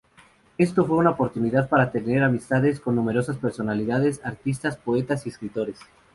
Esto fue una oportunidad para tener amistades con numerosas personalidades, artistas, poetas y escritores.